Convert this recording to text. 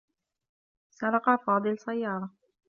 سرق فاضل سيّارة.